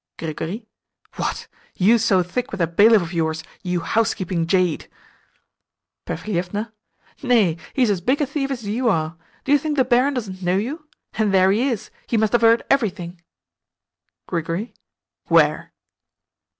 Grigory. What? You so thick with that bailiff of yours, you housekeeping jade! Perfilievna. Nay, he is as big a thief as you are. Do you think the barin doesn't know you? And there he is! He must have heard everything! Grigory. Where?